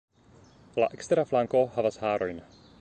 La ekstera flanko havas harojn.